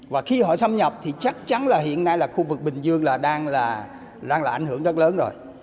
và khi họ xâm nhập thì chắc chắn là hiện nay là khu vực bình dương là đang là đang là ảnh hưởng rất lớn rồi